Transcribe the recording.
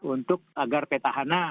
untuk agar petahana